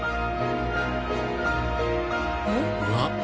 うわっ！